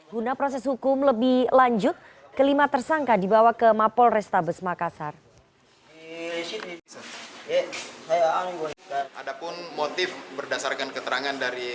guna proses hukum lebih lanjut kelima tersangka dibawa ke mapol restabes makassar